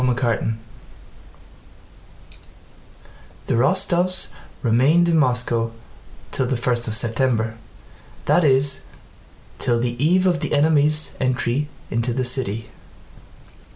CHAPTER XII The Rostóvs remained in Moscow till the first of September, that is, till the eve of the enemy's entry into the city.